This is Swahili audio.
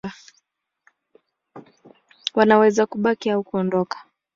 Wanaweza kubaki au kuondoka.